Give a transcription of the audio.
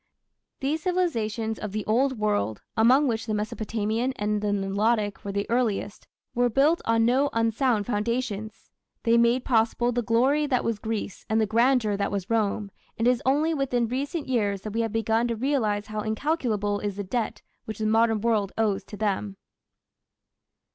These civilizations of the old world, among which the Mesopotamian and the Nilotic were the earliest, were built on no unsound foundations. They made possible "the glory that was Greece and the grandeur that was Rome", and it is only within recent years that we have begun to realize how incalculable is the debt which the modern world owes to them.